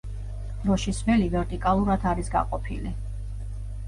დროშის ველი ვერტიკალურად არის გაყოფილი.